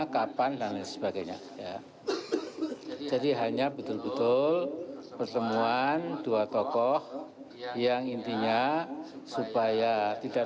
kapan dan sebagainya ya jadi hanya betul betul pertemuan dua tokoh yang intinya supaya tidak